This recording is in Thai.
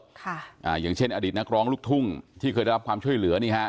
ค่ะอ่าอย่างเช่นอดีตนักร้องลูกทุ่งที่เคยได้รับความช่วยเหลือนี่ฮะ